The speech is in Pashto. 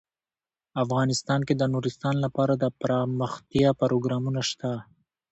افغانستان کې د نورستان لپاره دپرمختیا پروګرامونه شته.